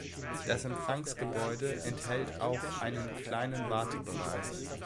Das Empfangsgebäude enthält auch einen kleinen Wartebereich.